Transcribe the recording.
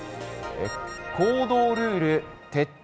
行動ルール徹底